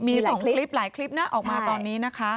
มี๒คลิปหลายคลิปนะออกมาตอนนี้นะคะ